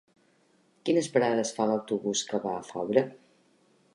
Quines parades fa l'autobús que va a Faura?